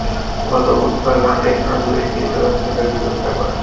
গতকাল বুধবার রাতে গাংনী থানার পুলিশ নিজ দোকান থেকে তাঁকে গ্রেপ্তার করে।